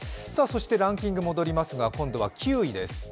ランキング戻りますが、今度は９位です。